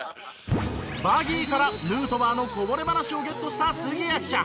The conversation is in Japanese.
バギーからヌートバーのこぼれ話をゲットした杉谷記者。